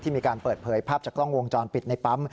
มีการเปิดเผยภาพจากกล้องวงจรปิดในปั๊ม